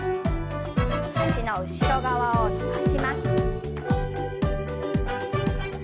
脚の後ろ側を伸ばします。